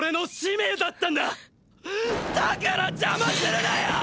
だから邪魔するなよおおお！！